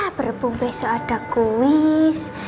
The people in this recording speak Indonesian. ya berhubung besok ada kuis